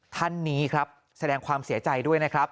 ท่านนี้ครับแสดงความเสียใจด้วยนะครับ